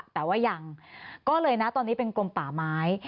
แต่ว่ายังก็เลยนะตอนนี้เป็นกลมป่าไม้